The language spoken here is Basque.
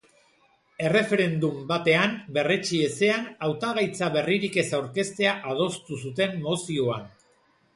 Erreferendum batean berretsi ezean hautagaitza berririk ez aurkeztea adostu zuten mozioan.